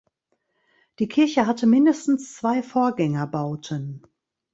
Die Kirche hatte mindestens zwei Vorgängerbauten.